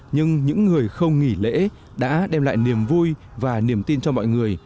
nhưng những người không nghỉ lễ đã đem lại niềm vui và niềm tin cho mọi người